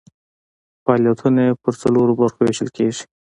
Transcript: فعالیتونه یې په څلورو برخو ویشل کیږي.